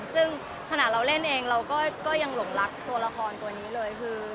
ซึ่งขณะเราเล่นเองเราก็ยังหลงรักตัวละครตัวนี้เลยคือ